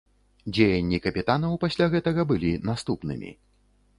Дзеянні капітанаў пасля гэтага былі наступнымі.